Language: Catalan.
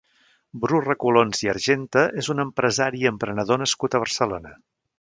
Bru Recolons i Argente és un empresari i emprenedor nascut a Barcelona.